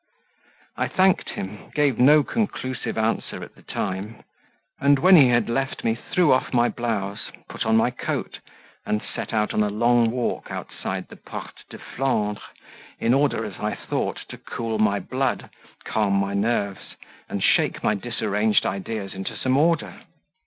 I thanked him, gave no conclusive answer at the time, and, when he had left me, threw off my blouse, put on my coat, and set out on a long walk outside the Porte de Flandre, in order, as I thought, to cool my blood, calm my nerves, and shake my disarranged ideas into some order.